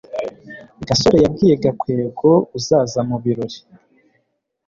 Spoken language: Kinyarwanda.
gasore yabwiye gakwego uzaza mubirori